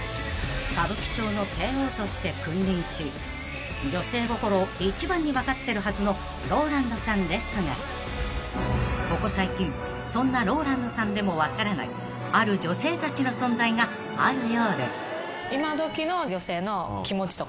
［歌舞伎町の帝王として君臨し女性心を一番にわかってるはずのローランドさんですがここ最近そんなローランドさんでもわからないある女性たちの存在があるようで］